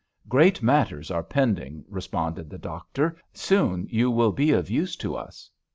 "Great matters are pending," responded the doctor; "soon you will be of use to us.